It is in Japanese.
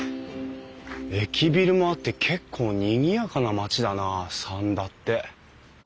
駅ビルもあって結構にぎやかな町だな三田って。